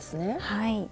はい。